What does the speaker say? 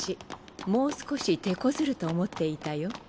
もう少し手こずると思っていたよ。